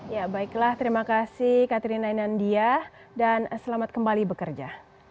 ya baiklah terima kasih katrina inandia dan selamat kembali bekerja